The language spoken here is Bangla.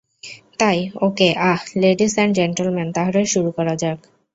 তাই - okay ah, ladies and gentleman তাহলে শুরু করা যাক।